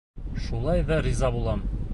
Шулай ҙа риза булам.